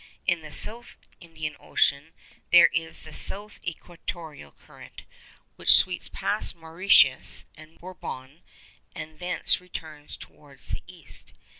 In the South Indian Ocean there is the 'south equatorial current,' which sweeps past Mauritius and Bourbon, and thence returns towards the east.